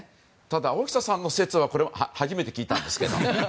ただ、大下さんの説は初めて聞いたんですけど。